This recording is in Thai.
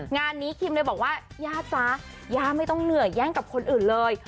งานนี้คิมเลยบอกว่าย่าจ๊ะย่าไม่ต้องเหนื่อยแย่งกับคนอื่นเลย